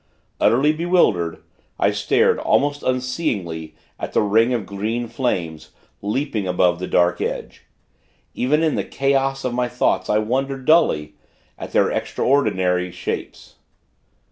Utterly bewildered, I stared, almost unseeingly, at the ring of green flames, leaping above the dark edge. Even in the chaos of my thoughts, I wondered, dully, at their extraordinary shapes.